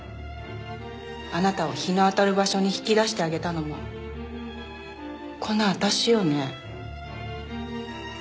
あなたを日の当たる場所に引き出してあげたのもこの私よね？